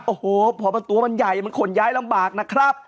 โอ้โหพอตัวมันใหญ่มันขนย้ายลำบากนะครับ